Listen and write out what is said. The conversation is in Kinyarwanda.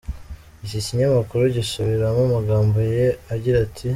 Iki kinyamakuru gisubiramo amagambo ye agira ati:.